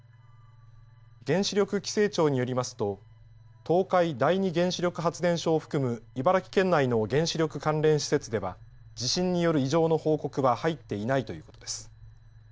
原子力規制庁によりますと東海第二原子力発電所を含む茨城県内の原子力関連施設では地震による異常の報告は入っていないということです。